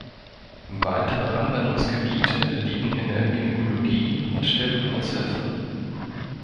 Weitere Anwendungsgebiete liegen in der Gynäkologie und der Geburtshilfe.